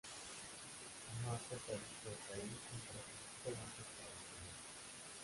Marta está dispuesta a ir mientras que Jacobo acepta a regañadientes.